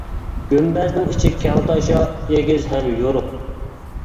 گۈمبەزنىڭ ئىچى كەڭتاشا، ئېگىز ھەم يورۇق.